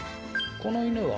この犬は？